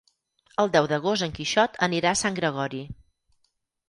El deu d'agost en Quixot anirà a Sant Gregori.